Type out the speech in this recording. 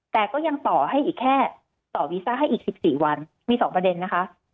แต่ก็ยังต่อวีซ่าให้อีก๑๔วันมี๒ประเด็นนะคะ